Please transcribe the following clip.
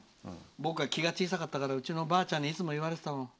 僕は気が小さかったからうちのばあちゃんにいつも言われてたもん。